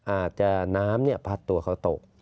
อาจจะน้ำพัดตัวเขาตก